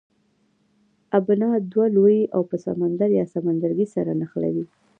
ابنا دوه لویې اوبه سمندر یا سمندرګی سره نښلوي.